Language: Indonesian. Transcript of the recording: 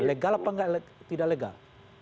legal apa tidak legal